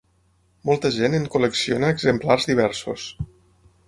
Molta gent en col·lecciona exemplars diversos.